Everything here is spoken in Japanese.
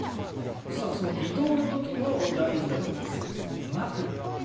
その移動の時も大事だという枕。